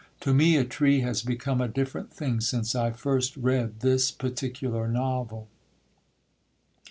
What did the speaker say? To me a tree has become a different thing since I first read this particular novel.